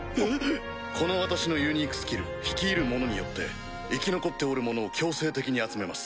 この私のユニークスキルヒキイルモノによって生き残っておる者を強制的に集めます。